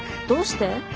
どうして？